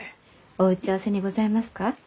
お打ち合わせにございますか？